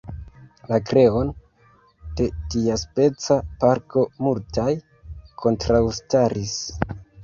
La kreon de tiaspeca parko multaj kontraŭstaris.